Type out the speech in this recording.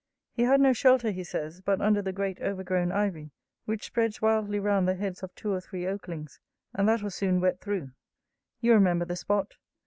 'He had no shelter, he says, but under the great overgrown ivy, which spreads wildly round the heads of two or three oaklings; and that was soon wet through.' You remember the spot.